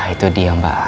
itu dia mbak